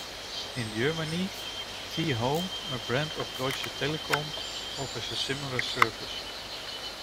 In Germany, T-Home, a brand of Deutsche Telekom, offers a similar service.